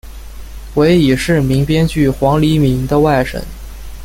为已逝名编剧黄黎明的外甥。